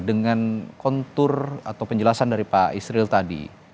dengan kontur atau penjelasan dari pak isril tadi